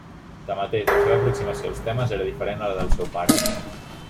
Tanmateix, la seva aproximació als temes era diferent de la del seu pare.